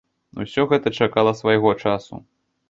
Усё гэта чакала свайго часу.